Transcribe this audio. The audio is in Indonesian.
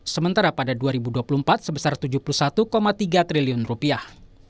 sementara pada dua ribu dua puluh empat sebesar tujuh puluh satu tiga triliun rupiah